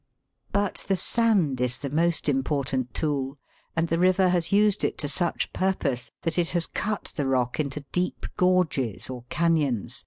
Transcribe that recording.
But the sand is the most important tool, and the river has used it to such purpose that it has cut the rock into deep gorges or canons (Fig.